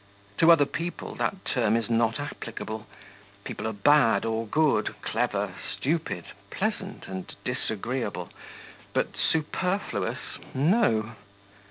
To other people that term is not applicable.... People are bad, or good, clever, stupid, pleasant, and disagreeable; but superfluous ... no.